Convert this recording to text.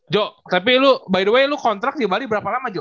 jo tapi lu by the way lu kontrak di bali berapa lama jok